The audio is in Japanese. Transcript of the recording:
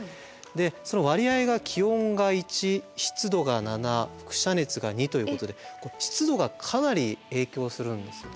その割合が気温が１湿度が７輻射熱が２ということで湿度がかなり影響するんですよね。